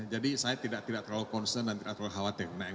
jadi saya tidak terlalu concern dan terlalu khawatir mengenai mk ini